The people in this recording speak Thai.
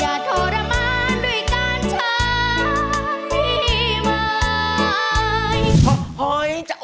ทรมานด้วยการใช้พี่ไหม